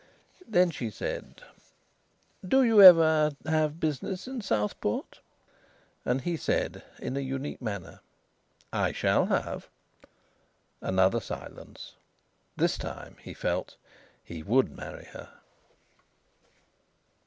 Then she said: "Do you ever have business at Southport?" And he said, in a unique manner: "I shall have." Another silence. This time he felt he would marry her.